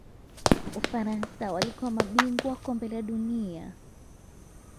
ufaransa walikuwa mabingwa Kombe la dunia